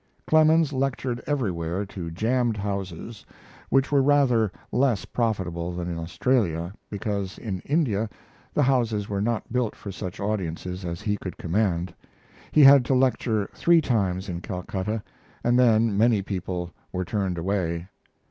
Clemens lectured everywhere to jammed houses, which were rather less profitable than in Australia, because in India the houses were not built for such audiences as he could command. He had to lecture three times in Calcutta, and then many people were turned away.